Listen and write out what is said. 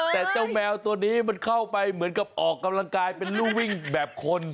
แต่เจ้าแมวตัวนี้มันเข้าไปเหมือนกับออกกำลังกายเป็นรูวิ่งแบบคน